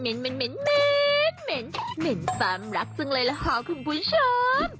เหม็นความรักจังเลยเหรอคุณผู้ชม